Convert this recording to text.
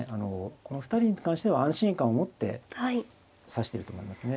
この２人に関しては安心感を持って指してると思いますね。